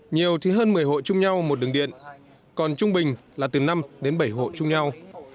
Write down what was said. nhiều thì hơn một mươi hộ chung nhau một đường điện còn trung bình là từ năm đến bảy hộ chung nhau